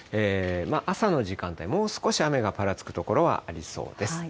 朝の時間帯、もう少し雨がぱらつく所はありそうです。